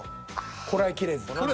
こらえきれず。